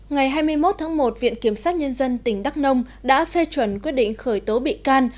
ngày hai mươi một tháng một viện kiểm sát nhân dân tỉnh đắk nông đã phê chuẩn quyết định khởi tố bị can